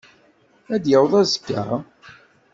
Ad d-yaweḍ azekka?